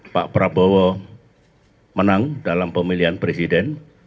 pak prabowo menang dalam pemilihan presiden